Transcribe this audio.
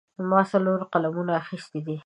ما څلور قلمونه اخیستي دي.